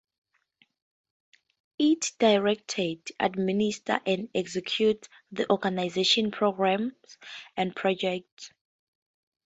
It directs, administers and executes the organization's programs and projects.